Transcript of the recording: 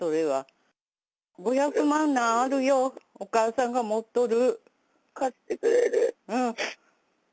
５００万ならあるよ、お母さんが持っとる。